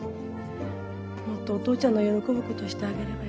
もっとお父ちゃんの喜ぶことしてあげればよかった。